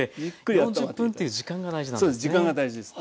４０分という時間が大事なんですね。